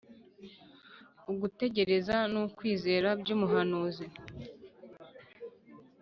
Ugutegereza n’ukwizera by’umuhanuzi